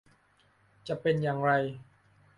จะเป็นอย่างไร